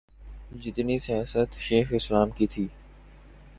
جتنی سیاست شیخ الاسلام کی تھی۔